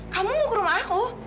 kamu mau ke rumah aku